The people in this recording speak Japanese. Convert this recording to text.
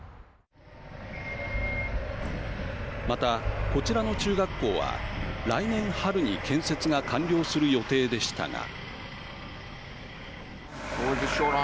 また、こちらの中学校は来年春に建設が完了する予定でしたが。